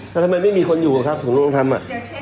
แล้วทำไมไม่มีคนอยู่อะครับสูนุนโรงทำอ่ะเดี๋ยวเขาอ่ะอ๋อ